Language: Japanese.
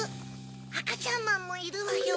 あかちゃんまんもいるわよ。